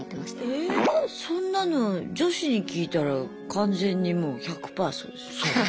えそんなの女子に聞いたら完全にもう１００パーそうですよ。